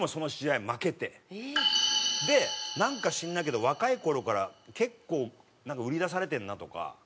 でなんか知んないけど若い頃から結構売り出されてんなとか。